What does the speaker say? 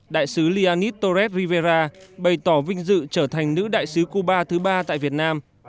đại sứ lianis torres rivera bày tỏ vinh dự trở thành nữ đại sứ cuba thứ ba tại việt nam